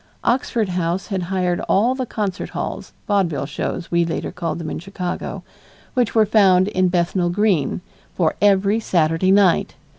Oxford House had hired all the concert halls vaudeville shows we later called them in Chicago which were found in Bethnal Green, for every Saturday night.